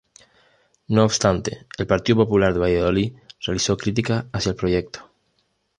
No obstante, el Partido Popular de Valladolid realizó críticas hacia el proyecto.